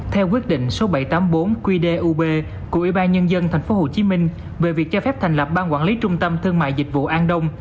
theo quyết định số bảy trăm tám mươi bốn qdub của ủy ban nhân dân tp hcm về việc cho phép thành lập ban quản lý trung tâm thương mại dịch vụ an đông